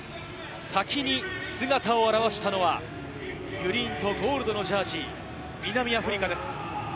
先に姿を現したのはグリーンとゴールドのジャージー、南アフリカです。